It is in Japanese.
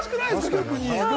逆に。